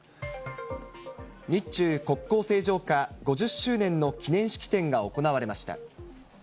日中国交正常化５０周年の記念式典が行われました。